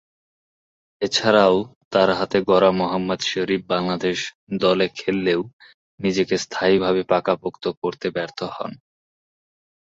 এছাড়াও, তার হাতে গড়া মোহাম্মদ শরীফ বাংলাদেশ দলে খেললেও নিজেকে স্থায়ীভাবে পাকাপোক্ত করতে ব্যর্থ হন।